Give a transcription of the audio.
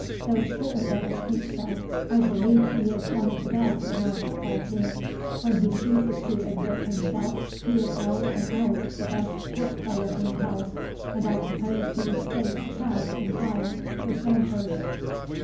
Though Skinner doesn't think so, I believe he is one of the best in our football team; when he chooses to exert himself he is out and out the best chess player in the house; and I suppose he is safe to pass in high for Sandhurst."